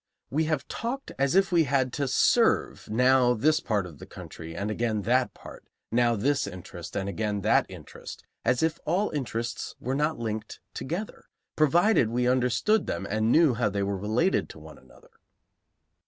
We have talked as if we had to serve now this part of the country and again that part, now this interest and again that interest; as if all interests were not linked together, provided we understood them and knew how they were related to one another.